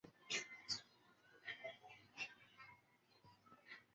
泰达控股的唯一股东为天津市人民政府国有资产监督管理委员会。